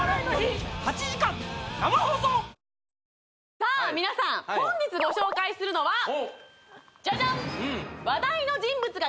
さあ皆さん本日ご紹介するのはジャジャン！